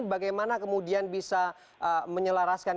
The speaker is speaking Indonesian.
bagaimana kemudian bisa menyelaraskan